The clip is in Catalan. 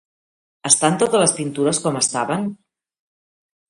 Estan totes les pintures com estaven?